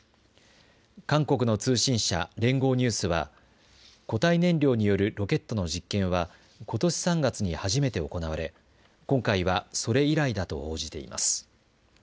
韓国の通信社、連合ニュースは固体燃料によるロケットの実験はことし３月に初めて行われ今回はそれ以来だと報じています。